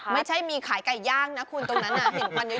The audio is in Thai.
ไม่ใช่มีขายไก่ย่างนะคุณตรงนั้นน่ะ